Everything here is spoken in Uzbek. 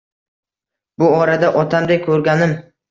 Bu orada otamdek koʻrganim